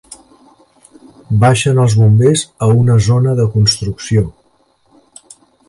Baixen els bombers a una zona de construcció.